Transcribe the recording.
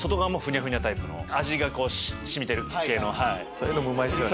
そういうのもうまいっすよね。